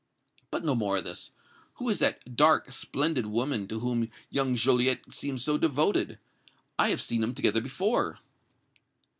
But no more of this. Who is that dark, splendid woman to whom young Joliette seems so devoted? I have seen them together before!"